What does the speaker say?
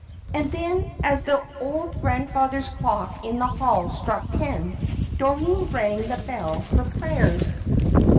And then, as the old grand father's clock in the hall struck ten, Doreen rang the bell for prayers.